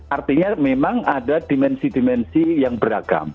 artinya memang ada dimensi dimensi yang beragam